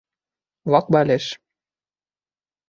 Ваҡ бәлеш